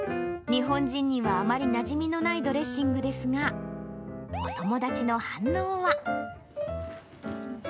日本人にはあまりなじみのないドレッシングですが、お友達の反応は。